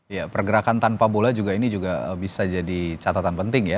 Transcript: ya pergerakan tanpa bola juga ini juga bisa jadi catatan penting ya